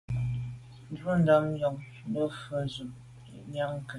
Njù num ndàn njon le’njù fa bo sô yub nkage.